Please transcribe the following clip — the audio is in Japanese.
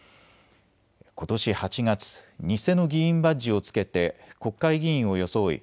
ことし８月、偽の議員バッジを着けて国会議員を装い